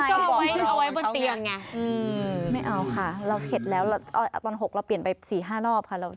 ก็เอาไว้บนเตียงไงไม่เอาค่ะเราเสร็จแล้วตอน๖เราเปลี่ยนไป๔๕รอบค่ะ